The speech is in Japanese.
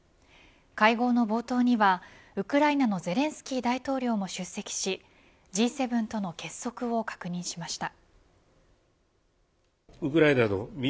会合の冒頭にはウクライナのゼレンスキー大統領も出席しＧ７との結束を確認しました。